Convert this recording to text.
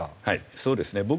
はいそうですね。